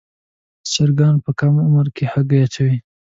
چرګان په کم عمر کې هګۍ اچوي.